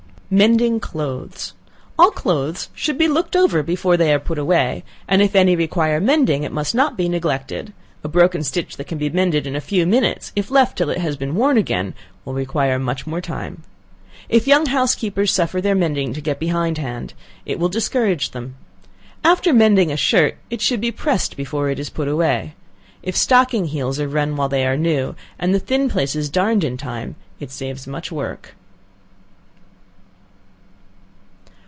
Mending Clothes. All clothes should be looked over before they are put away, and if any require mending it must not be neglected; a broken stitch that can be mended in a few minutes, if left till it has been worn again, will require much more time. If young housekeepers suffer their mending to get behind hand, it will discourage them. After mending a shirt, it should be pressed before it is put away. If stocking heels are run while they are new, and the thin places darned in time, it saves much work.